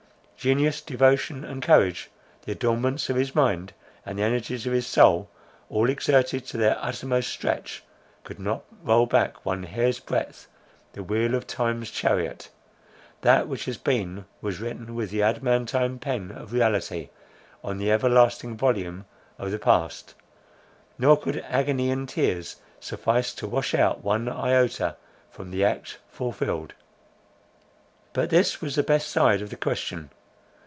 Genius, devotion, and courage; the adornments of his mind, and the energies of his soul, all exerted to their uttermost stretch, could not roll back one hair's breadth the wheel of time's chariot; that which had been was written with the adamantine pen of reality, on the everlasting volume of the past; nor could agony and tears suffice to wash out one iota from the act fulfilled. But this was the best side of the question.